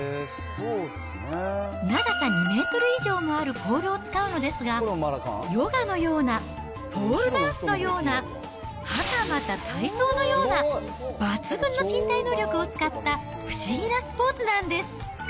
長さ２メートル以上もあるポールを使うのですが、ヨガのような、ポールダンスのような、はたまた体操のような、抜群の身体能力を使った不思議なスポーツなんです。